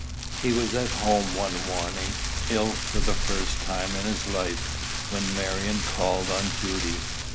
He was at home one morning, ill for the first time in his life, when Marion called on Judy.